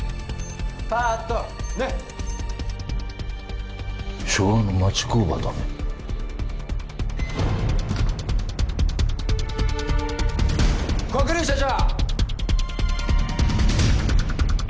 パーッとねっ昭和の町工場だね黒龍社長！